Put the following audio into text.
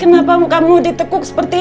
kenapa kamu ditekuk seperti itu